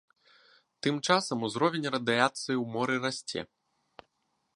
Тым часам узровень радыяцыі ў моры расце.